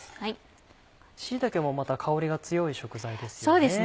椎茸もまた香りが強い食材ですよね。